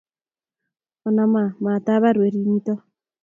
onama matabir werit nito